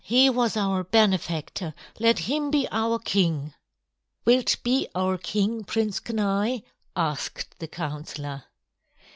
He was our benefactor; let him be our king!" "Wilt be our king, Prince Kenai?" asked the counselor.